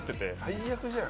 最悪じゃん。